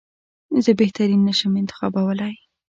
زه بهترین نه شم انتخابولای.